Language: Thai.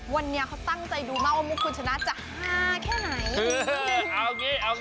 วันนี้เขาตั้งใจดูมากว่ามุกคุณชนะจะฮาแค่ไหน